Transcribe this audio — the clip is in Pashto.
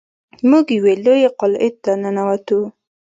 موږ یوې لویې قلعې ته ننوتو.